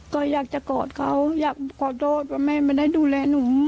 ก็อยากจะกอดเขาอยากขอโทษว่าแม่ไม่ได้ดูแลหนู